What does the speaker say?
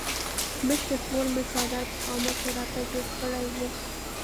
مشرې خور مې څادر په خامکو راته جوړ کړی وو.